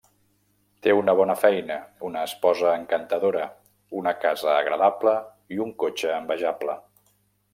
Té una bona feina, una esposa encantadora, una casa agradable i un cotxe envejable.